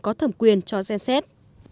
có thẩm quyền cho xem xét